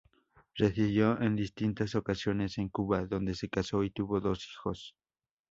Residió en distintas ocasiones en Cuba donde se casó y tuvo dos hijos.